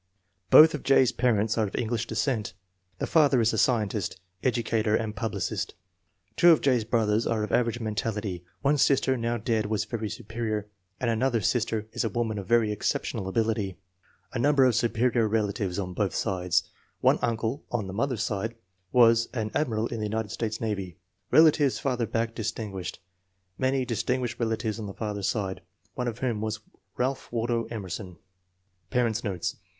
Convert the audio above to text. Both of J.'s parents are of English descent. The father is a scientist, educator, and publicist. Two of J.'s brothers are of average mentality; one sister, now dead, was very superior, and another sister is a woman of very exceptional ability. A number of superior relatives on both sides. One uncle, on the mother's side, was an Admiral in the United States Navy. Relatives farther back distinguished. Many distin guished relatives on father's side, one of whom was Ralph Waldo Emerson. Parents 9 notes.